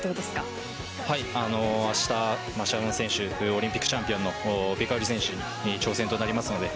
オリンピックチャンピオンの選手に挑戦となりますので